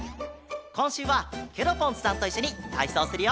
こんしゅうはケロポンズさんといっしょにたいそうするよ！